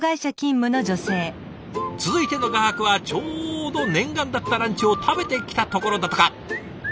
続いての画伯はちょうど念願だったランチを食べてきたところだとか。